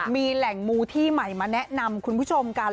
มีแหล่งมูที่ใหม่มาแนะนำคุณผู้ชมกัน